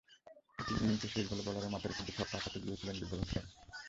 ইনিংসের শেষ বলে বোলারের মাথার ওপর দিয়ে ছক্কা হাঁকাতে গিয়েছিলেন রুবেল হোসেন।